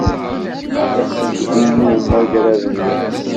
Ixeyyeb-iyi umagrad-nwen.